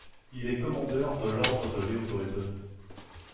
Il est Commandeur de l'Ordre de Léopold.